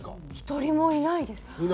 １人もいないです。